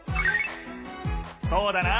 そうだな！